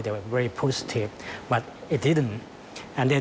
แต่พวกเขาไม่ทำอย่างนั้น